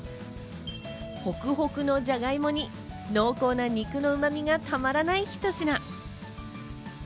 ホクホクのじゃがいもに濃厚な肉のうまみがたまらないひと品。